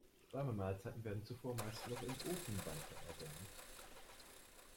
Warme Mahlzeiten werden zuvor meist noch im Ofen weiter erwärmt.